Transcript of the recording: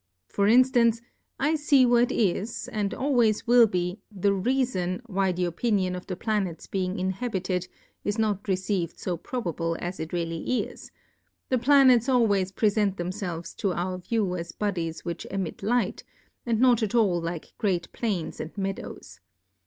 For Inftance, I fee what is, and always will be, theReafon, why the Opinion of the Planets being Inha bited, is not received fo probable as it really is : The Planets always prefent themfelves to our View as Bodies which emit Light ; and not at all like great Plains and Meadows.